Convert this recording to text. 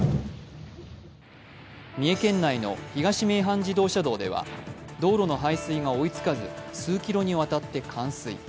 三重県内の東名阪自動車道では道路の排水が追いつかず数ｋｍに渡って冠水。